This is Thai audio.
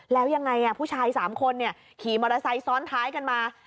แล้วยังไงผู้ชาย๓คนขี่มอเตอร์ไซค์ซ้อนท้ายกันมา